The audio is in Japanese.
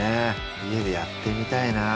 家でやってみたいなぁ